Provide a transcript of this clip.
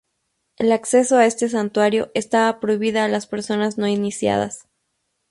El acceso a este santuario estaba prohibido a las personas no iniciadas.